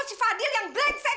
si fadil yang brengsek